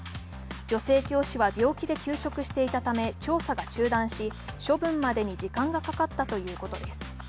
女性教師は病気で休職していたため調査が中断し処分までに時間がかかったということです。